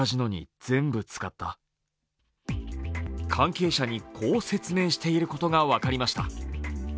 関係者にこう説明していることが分かりました。